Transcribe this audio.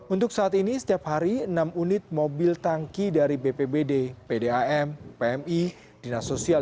untuk saat ini setiap hari enam unit mobil tangki dari bpbd pdam pmi dinas sosial